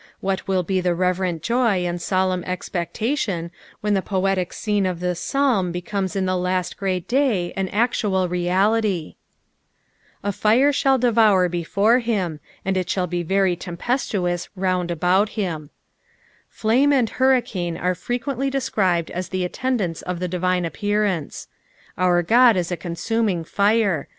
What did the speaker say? What will be the reverent joj and solemn expectation when the poetic scene of this Psalm becomes in the last great day nn actual reality ! "A^fire tholl detour bffar« him, and it tAall ie tery Umpetlvovg round about Aim." Flame and hurricane are frequently described as the attendants of the divine appearance. " Our God is a consuming fire."